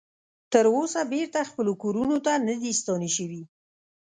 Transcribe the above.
تر اوسه بیرته خپلو کورونو ته نه دې ستانه شوي